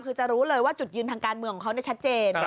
คือจะรู้เลยว่าจุดยืนทางการเมืองของเขาชัดเจน